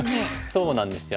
そうなんですよ。